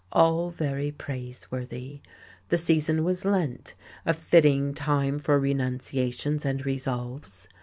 All very praiseworthy! The season was Lent, a fitting time for renunciations and resolves.